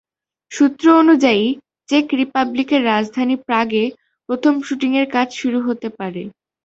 সূত্র অনুযায়ী চেক রিপাবলিকের রাজধানী প্রাগে প্রথম শুটিংয়ের কাজ শুরু হতে পারে।